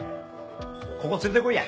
ここ連れてこいや。